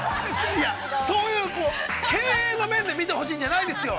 いや、そういう経営の目で見てほしいんじゃないんですよ。